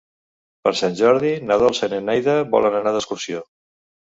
Per Sant Jordi na Dolça i na Neida volen anar d'excursió.